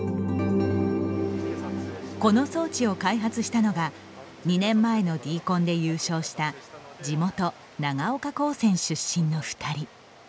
この装置を開発したのが２年前のＤＣＯＮで優勝した地元、長岡高専出身の２人。